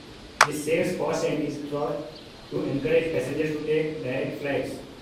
This saves costs and is thought to encourage passengers to take direct flights.